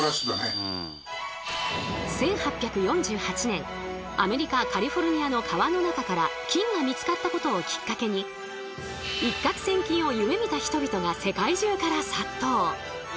１８４８年アメリカ・カリフォルニアの川の中から金が見つかったことをきっかけに一獲千金を夢みた人々が世界中から殺到。